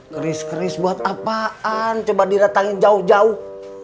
keris keris buat apaan coba didatangin jauh jauh